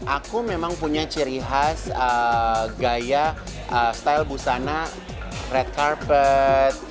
aku memang punya ciri khas gaya style busana red carpet